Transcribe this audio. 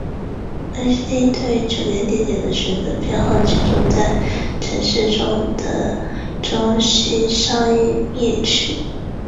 威士汀对于酒店地点的选择偏好集中在城市中的中心商业区。